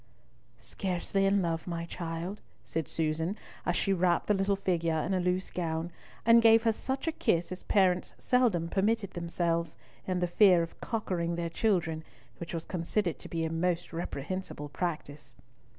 "Scarcely in love, my child," said Susan, as she wrapped the little figure in a loose gown, and gave her such a kiss as parents seldom permitted themselves, in the fear of "cockering" their children, which was considered to be a most reprehensible practice.